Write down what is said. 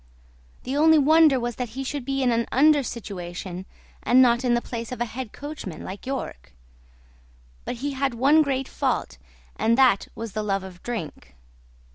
The only wonder was that he should be in an under situation and not in the place of a head coachman like York; but he had one great fault and that was the love of drink.